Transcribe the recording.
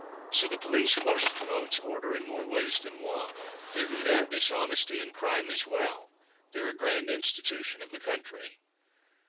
"So the police force promotes order in more ways than one—they root out dishonesty and crime as well—they're a grand institution of the country."